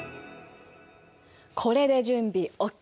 これで準備ＯＫ。